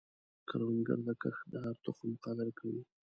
کروندګر د کښت د هر تخم قدر کوي